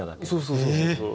そうそうそうそう。